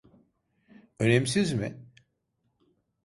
Önemsiz mi?